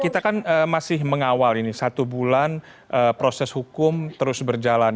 kita kan masih mengawal ini satu bulan proses hukum terus berjalan